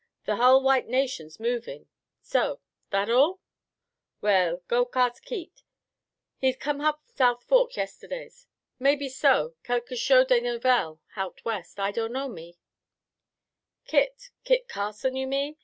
The hull white nation's movin'. So. That all?" "Well, go h'ask Keet. He's come h'up South Fork yesterdays. Maybe so quelq' cho' des nouvelles h'out West. I dunno, me." "Kit Kit Carson, you mean?